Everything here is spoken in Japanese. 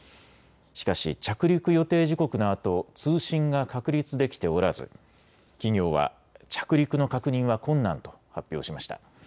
しかし着陸予定時刻のあと通信が確立できておらず企業は着陸の確認は困難と発表しました。